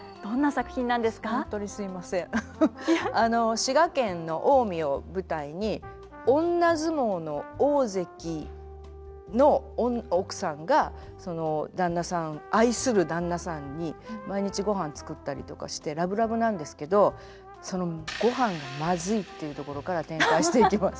あの滋賀県の近江を舞台に女相撲の大関の奥さんがその旦那さん愛する旦那さんに毎日ごはん作ったりとかしてラブラブなんですけどそのごはんがまずいっていうところから展開していきます。